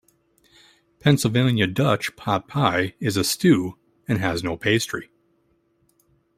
Pennsylvania Dutch pot pie is a stew and has no pastry.